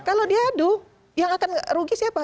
kalau diadu yang akan rugi siapa